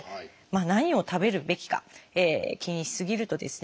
何を食べるべきか気にし過ぎるとですね